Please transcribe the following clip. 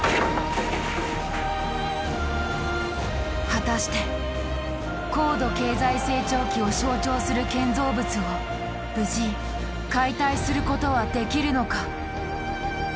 果たして高度経済成長期を象徴する建造物を無事解体することはできるのか。